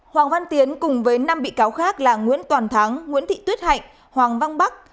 hoàng văn tiến cùng với năm bị cáo khác là nguyễn toàn thắng nguyễn thị tuyết hạnh hoàng văn bắc